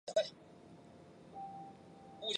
苍山假瘤蕨为水龙骨科假瘤蕨属下的一个种。